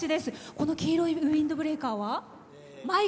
この黄色いウインドブレーカーは。